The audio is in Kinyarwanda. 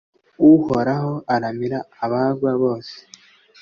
uhoraho aramira abagwa bose